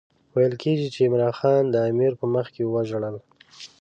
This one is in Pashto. ویل کېږي چې عمرا خان د امیر په مخکې وژړل.